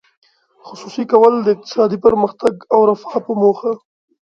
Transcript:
خصوصي کول د اقتصادي پرمختګ او رفاه په موخه دي.